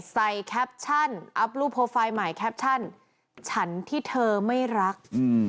แคปชั่นอัพรูปโปรไฟล์ใหม่แคปชั่นฉันที่เธอไม่รัก